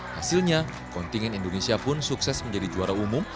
hasilnya kontingen indonesia pun sukses menjadi juara umum